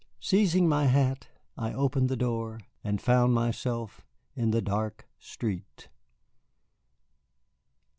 Seizing my hat, I opened the door and found myself in the dark street.